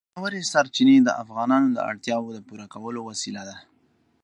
ژورې سرچینې د افغانانو د اړتیاوو د پوره کولو وسیله ده.